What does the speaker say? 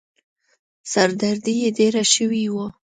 سر دردي يې ډېره شوې وه.